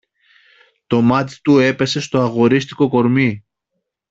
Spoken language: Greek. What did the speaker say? Το μάτι του έπεσε στο αγορίστικο κορμί